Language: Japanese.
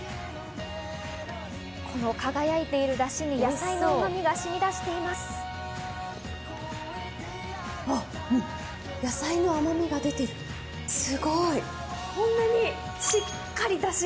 この輝いているだしに野菜のうまみが染み出しています。